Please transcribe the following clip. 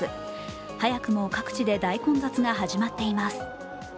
早くも各地で大混雑が始まっています。